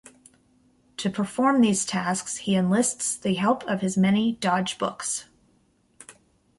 To perform these tasks he enlists the help of his many 'dodge books'.